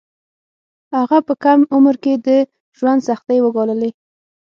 هغه په کم عمر کې د ژوند سختۍ وګاللې